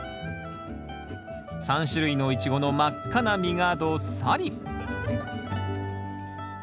３種類のイチゴの真っ赤な実がどっさり！